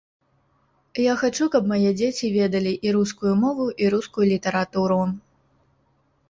Я хачу, каб мае дзеці ведалі і рускую мову і рускую літаратуру.